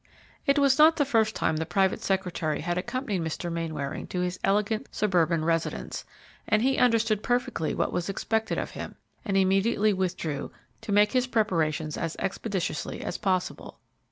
It was not the first time the private secretary had accompanied Mr. Mainwaring to his elegant suburban residence, and he understood perfectly what was expected of him, and immediately withdrew to make his preparations as expeditiously as possible.